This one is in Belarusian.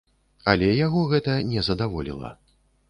Але яго гэта не задаволіла.